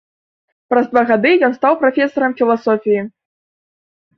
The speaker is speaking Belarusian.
Праз два гады ён стаў прафесарам філасофіі.